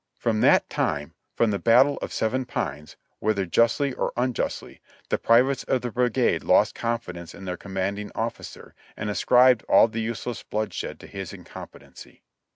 From that time — from the battle of Seven Pines, whether justly or unjustly — the privates of the brigade lost confidence in their commanding officer, and ascribed all the useless bloodshed to his incompetency.